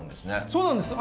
そうなんです。